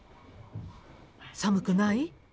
寒くない？